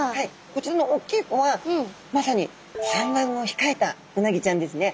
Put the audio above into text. こちらのおっきい子はまさに産卵をひかえたうなぎちゃんですね。